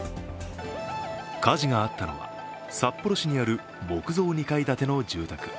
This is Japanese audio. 火事があったのは札幌市にある木造２階建ての住宅。